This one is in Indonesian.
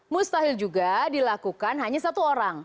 mustahil juga dilakukan hanya satu orang